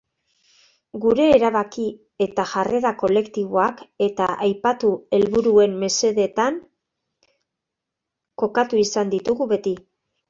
Gure erabaki eta jarrerak kolektiboak eta aipatu helburuen mesedetan kokatu izan ditugu beti.